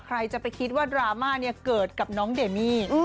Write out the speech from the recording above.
ใครจะไปคิดว่าดราม่าเนี่ยเกิดกับน้องเดมี่